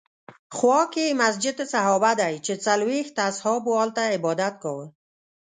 خوا کې یې مسجد صحابه دی چې څلوېښت اصحابو هلته عبادت کاوه.